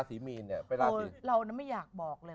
อันนี้คุณโบราณยังไม่อยากขอบบคุณสินะ